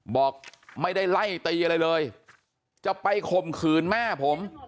บอกไม่ได้ไล่ตีอะไรเลยจะไปข่มขืนแม่ผม